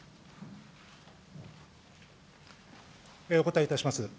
お答えいたします。